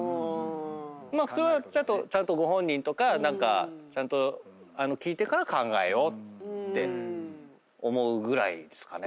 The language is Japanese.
まあそれはちゃんとご本人とか聞いてから考えようって思うぐらいですかね。